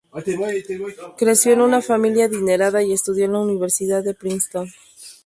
Creció en una familia adinerada y estudió en la Universidad de Princeton.